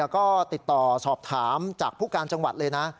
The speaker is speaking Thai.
ก็ติดต่อสอบถามจากผู้การจังหวัดเลยนะ